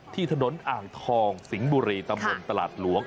ที่ถนนอ่างทองสิงห์บุรีตำบลตลาดหลวง